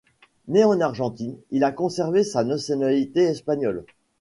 Né en Argentine, il a conservé sa nationalité espagnole.